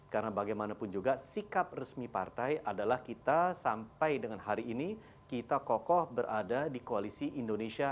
karena bagaimanapun juga sikap resmi partai adalah kita sampai dengan hari ini kita kokoh berada di koalisi indonesia